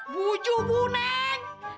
bu jubu neng